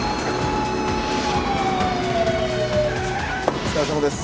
お疲れさまです。